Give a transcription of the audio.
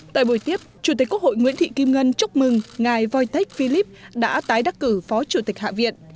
tại buổi tiếp chủ tịch quốc hội nguyễn thị kim ngân chúc mừng ngài voitech philip đã tái đắc cử phó chủ tịch hạ viện